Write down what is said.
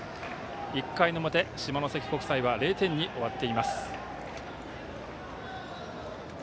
１回の表、下関国際は０点に終わっています。